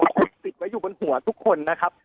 ในการที่จะเดินท้าออกไปอย่างสุดของไยทินนะครับ